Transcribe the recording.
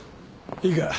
いいか。